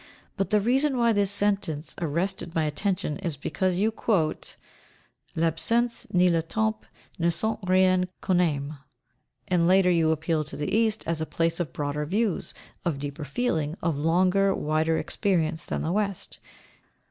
But the reason why this sentence arrested my attention is because you quote, "L'absence ni le temps ne sont rien quand on aime," and later, you appeal to the East as a place of broader views, of deeper feeling, of longer, wider experience than the West.